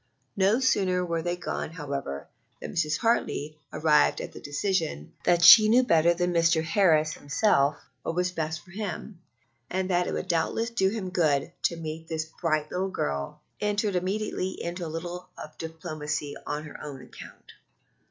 No sooner were they gone, however, than Mrs. Hartley, arriving at the decision that she knew better than Mr. Harris himself what was best for him, and that it would doubtless do him good to meet this bright little girl, entered immediately into a bit of diplomacy on her own account.